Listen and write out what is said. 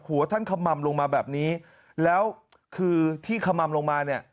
ท่านขม่ำลงมาแบบนี้แล้วคือที่ขม่ำลงมาเนี่ย